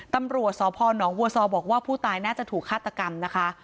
ตำรวจสพนวัวซอบอกว่าผู้ตายน่าจะถูกฆาตกรรมนะคะ